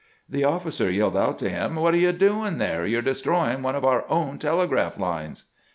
The officer yelled out to him :* What are you doing there ? You 're destroying one of our own tele graph lines.'